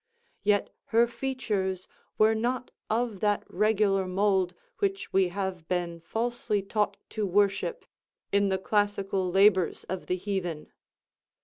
Yet her features were not of that regular mould which we have been falsely taught to worship in the classical labors of the heathen.